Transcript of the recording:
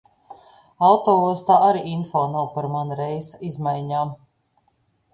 Autoostā arī info nav par mana reisa izmaiņām.